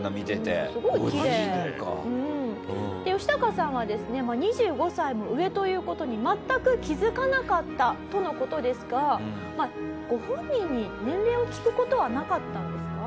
ヨシタカさんはですね２５歳も上という事に全く気づかなかったとの事ですがご本人に年齢を聞く事はなかったんですか？